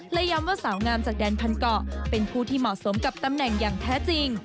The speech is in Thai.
และย้ำว่าสาวงามจากแดนพันเกาะเป็นผู้ที่เหมาะสมกับตำแหน่งอย่างแท้จริง